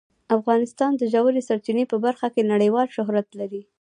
افغانستان د ژورې سرچینې په برخه کې نړیوال شهرت لري.